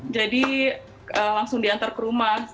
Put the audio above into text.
langsung diantar ke rumah